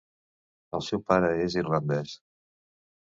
El seu pare és irlandès.